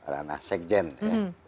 ranah sekjen ya